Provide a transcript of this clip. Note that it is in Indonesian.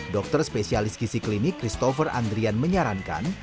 dokter spesialis gizi klinik christopher andrian menyarankan